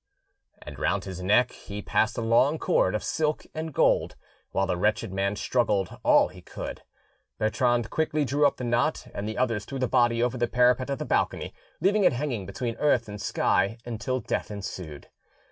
And round his neck he passed a long cord of silk and gold, while the wretched man struggled all he could. Bertrand quickly drew up the knot, and the others threw the body over the parapet of the balcony, leaving it hanging between earth and sky until death ensued.